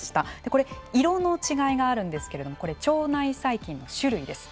これ、色の違いがあるんですけれども腸内細菌の種類です。